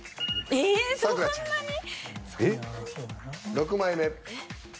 ６枚目。